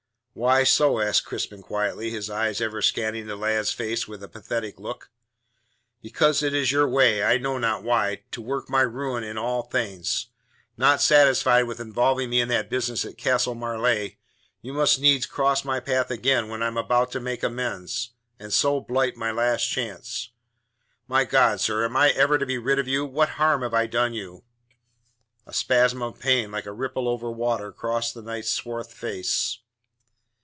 "Why so?" asked Crispin quietly, his eyes ever scanning the lad's face with a pathetic look. "Because it is your way, I know not why, to work my ruin in all things. Not satisfied with involving me in that business at Castle Marleigh, you must needs cross my path again when I am about to make amends, and so blight my last chance. My God, sir, am I never to be rid of you? What harm have I done you?" A spasm of pain, like a ripple over water, crossed the knight's swart face.